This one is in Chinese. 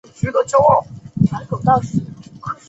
委员会推举方宗鳌为代表中国大学。